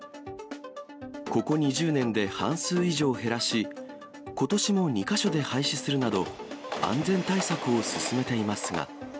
ここ２０年で半数以上減らし、ことしも２か所で廃止するなど安全対策を進めていますが。